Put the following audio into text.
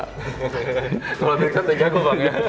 kalau trickshot dia jago bang